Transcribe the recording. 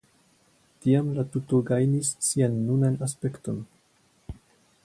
Tiam la tuto gajnis sian nunan aspekton.